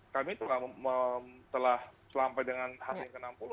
kami telah sampai dengan hari yang ke enam puluh